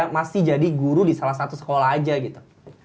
masih jadi guru di salah satu sekolah aja gitu